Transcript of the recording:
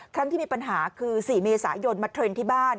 ที่มีปัญหาคือ๔เมษายนมาเทรนด์ที่บ้าน